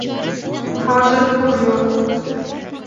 Hozir pul yo`q